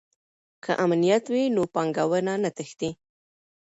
که امنیت وي نو پانګونه نه تښتي.